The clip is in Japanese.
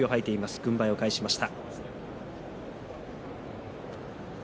軍配を返しました。